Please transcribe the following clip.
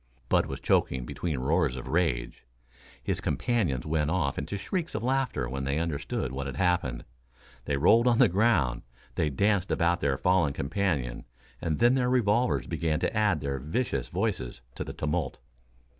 Bud was choking between roars of rage. His companions went off into shrieks of laughter when they understood what had happened. They rolled on the ground; they danced about their fallen companion, and then their revolvers began to add their vicious voices to the tumult.